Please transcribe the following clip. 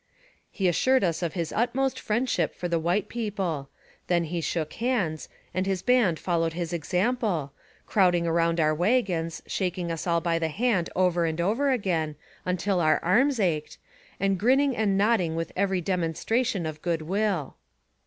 He assured us of his utmost friendship' for the white people; then he shook hands, and his band followed his example, crowding around our wagons, shaking us all by the hand over and over again, until our arms ached, and grinning and nodding with every demonstration of good will.